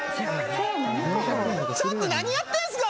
ちょっと何やってんすか！